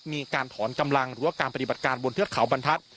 มีการถอนกำลังหรือว่าการปฏิบัติการบนเทือกเขาบรรทัศน์